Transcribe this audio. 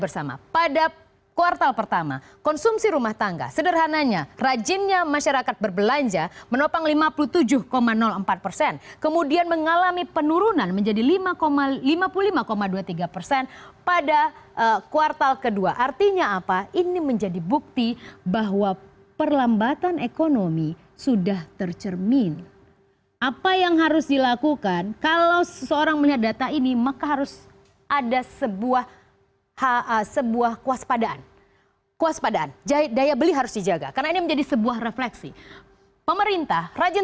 semua dari sana produk produk games dan lain